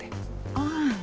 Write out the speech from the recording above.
ああ。